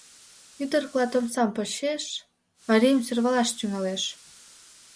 Ӱдыр клат омсам почеш, марийым сӧрвалаш тӱҥалеш: